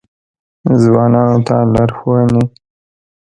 ځوانانو ته لارښوونې: